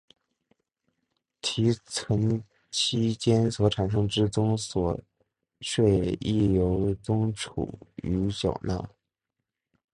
提存期间所产生之综所税亦由宋楚瑜缴纳。